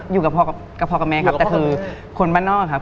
อยู่กับพ่อกับพ่อกับแม่ครับแต่คือคนบ้านนอกครับ